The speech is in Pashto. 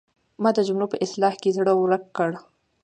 ما د جملو په اصلاح کې زړه ورک کړ.